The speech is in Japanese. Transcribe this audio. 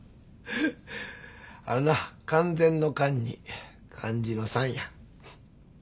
あのな完全の完に漢字の三や。